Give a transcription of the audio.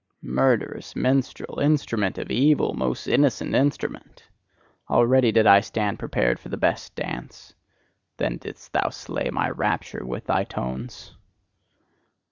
Murderous minstrel, instrument of evil, most innocent instrument! Already did I stand prepared for the best dance: then didst thou slay my rapture with thy tones!